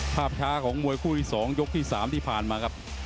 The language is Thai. ภาพช้าของมวยคู่ที่๒ยกที่๓ที่ผ่านมาครับ